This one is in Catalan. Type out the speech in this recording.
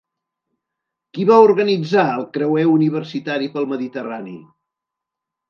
Qui va organitzar el creuer universitari pel Mediterrani?